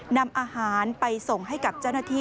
นำอาหารไปส่งให้กับเจ้าหน้าที่